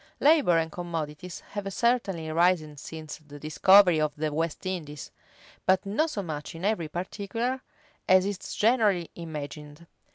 Labor and commodities have certainly risen since the discovery of the West Indies; but not so much in every particular as is generally imagined.